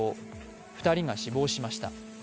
２人が死亡しました。